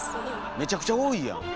めちゃくちゃ多いやん！